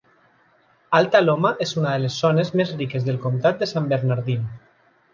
Alta Loma és una de les zones més riques del comtat de San Bernardino.